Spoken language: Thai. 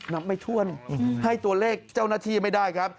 นับไม่ถ้วนให้ตัวเลขเจ้าหน้าที่ไม่ได้ครับ